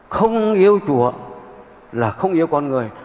không yêu chúa là không yêu con người